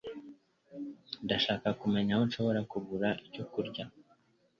Ndashaka kumenya aho nshobora kugura icyo kurya.